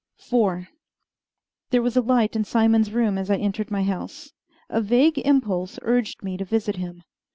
IV There was a light in Simon's room as I entered my house. A vague impulse urged me to visit him.